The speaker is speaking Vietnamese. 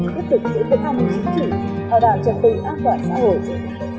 tiếp tục giữ cơ quan đồng chính trị hòa đạo trật tự áp đoạn xã hội